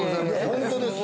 ◆本当です。